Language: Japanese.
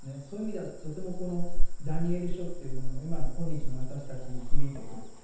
そういう意味ではとてもこの「ダニエル書」っていうものも今の今日の私たちに響いてくる。